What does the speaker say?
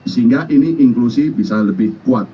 sehingga ini inklusi bisa lebih kuat